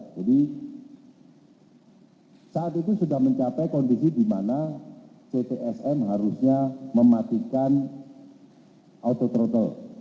jadi saat itu sudah mencapai kondisi di mana ctsm harusnya mematikan auto throttle